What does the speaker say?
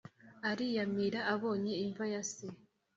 Ariyamirira abonye imva ya se